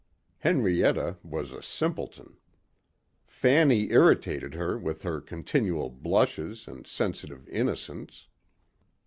Henrietta was a simpleton. Fanny irritated her with her continual blushes and sensitive innocence.